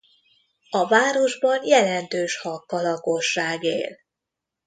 A városban jelentős hakka lakosság él.